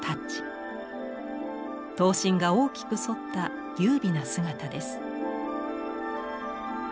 刀身が大きく反った優美な姿です。